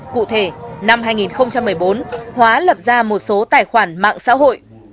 cụ thể năm hai nghìn một mươi bốn hóa lập ra một số tài khoản mạng xã hội